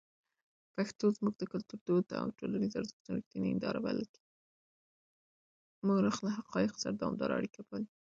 مورخ له حقایقو سره دوامداره اړیکه پالي.